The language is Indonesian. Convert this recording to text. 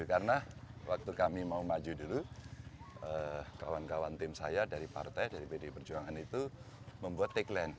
karena waktu kami mau maju dulu kawan kawan tim saya dari partai dari bd perjuangan itu membuat tagline